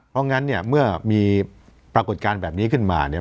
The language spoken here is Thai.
เพราะงั้นเนี่ยเมื่อมีปรากฏการณ์แบบนี้ขึ้นมาเนี่ย